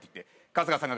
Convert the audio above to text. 春日さん